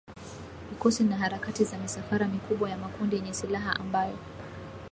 vikosi na harakati za misafara mikubwa ya makundi yenye silaha ambayo